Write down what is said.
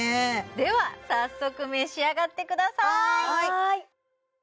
では早速召し上がってくださいはい！